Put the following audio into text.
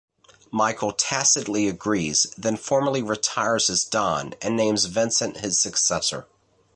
Michael tacitly agrees, then formally retires as Don and names Vincent his successor.